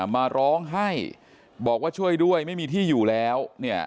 มาร้องให้บอกว่าช่วยด้วยไม่มีที่อยู่แล้วเนี่ย